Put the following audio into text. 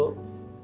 kalau dari dalam